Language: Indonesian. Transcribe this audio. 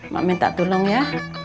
mak minta tolong ya